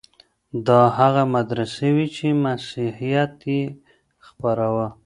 دا هغه مدرسې وې چي مسيحيت يې خپراوه.